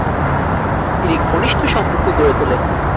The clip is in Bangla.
তিনি ঘনিষ্ট সম্পর্ক গড়ে তোলেন।